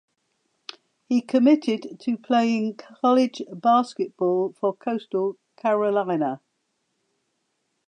He committed to playing college basketball for Coastal Carolina.